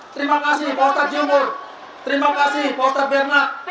terima kasih pak ustadz jumur terima kasih pak ustadz bernat